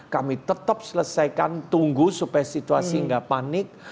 kami tetep selesaikan tunggu supaya situasi gak panik